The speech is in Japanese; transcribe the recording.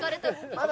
まだ。